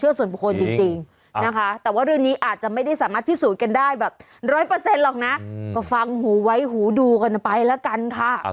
ร้อยเปอร์เซ็นต์หรอกนะก็ฟังหูไว้หูดูกันไปแล้วกันค่ะ